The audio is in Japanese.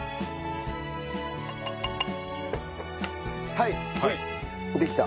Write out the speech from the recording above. はいできた。